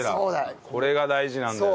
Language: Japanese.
これが大事なんだよ。